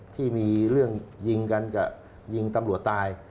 ที่มีเรื่องยิงกันกับยิงตำรวจตาย